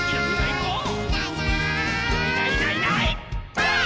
ばあっ！